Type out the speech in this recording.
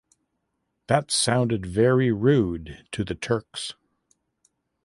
That sounded very rude to the Turks.